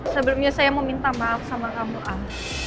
sebelumnya saya mau minta maaf sama kamu am